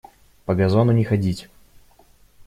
По газону не ходить!